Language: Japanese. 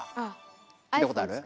聞いたことある？